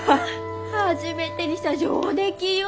初めてにしちゃ上出来よ。